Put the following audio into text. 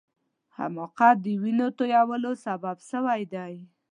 حماقت د وینو تویولو سبب سوی دی.